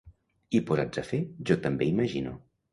I, posats a fer, jo també imagino.